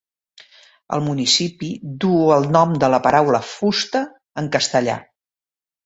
El municipi duu el nom de la paraula "fusta" en castellà.